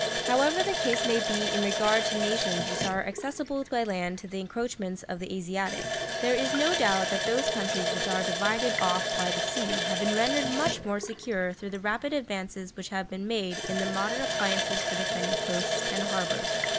However the case may be in regard to nations which are accessible by land to the encroachments of the Asiatic, there is no doubt that those countries which are divided off by the sea have been rendered much more secure through the rapid advances which have been made in the modern appliances for defending coasts and harbours.